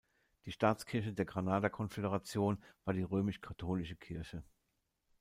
Die Staatskirche der Granada-Konföderation war die römisch-katholische Kirche.